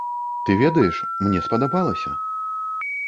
Ты ведаеш, мне спадабалася!